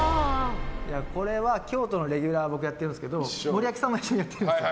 これは京都のレギュラー僕、やってるんですけど森脇さんも一緒にやってるんです。